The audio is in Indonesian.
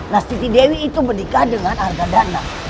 nastiti dewi itu berdikah dengan arga dana